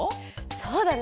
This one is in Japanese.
そうだね